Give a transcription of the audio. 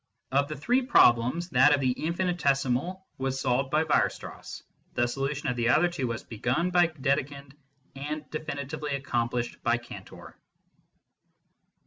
Of the three problems, that of the infinitesimal was solved by Weier strass ; the solution of the other two was begun by Dedekind, and definitively accomplished by Cantor.